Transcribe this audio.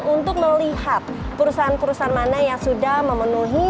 untuk melihat perusahaan perusahaan mana yang sudah memenuhi